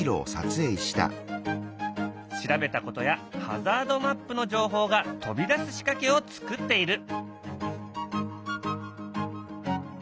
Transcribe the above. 調べたことやハザードマップの情報が飛び出す仕掛けを作っている。